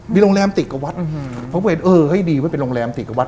มีโรงแรมติดกับวัดเพราะว่าให้ดีว่าเป็นโรงแรมติดกับวัด